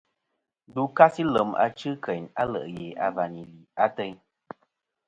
Ndu kasi lem achɨ keyn alè' ghè a và li lì ateyn.